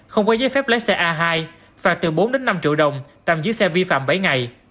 không có giấy phép lái xe a hai và từ bốn năm triệu đồng đằm dưới xe vi phạm bảy ngày